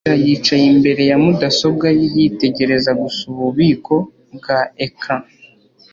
mugisha yicaye imbere ya mudasobwa ye yitegereza gusa ububiko bwa ecran